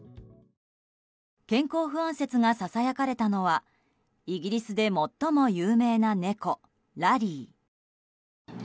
健康不安説がささやかれたのはイギリスで最も有名な猫ラリー。